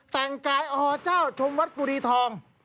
แต่งกายอเจ้าชมวัดกุรีทอง